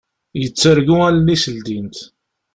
Yettargu allen-is ldint.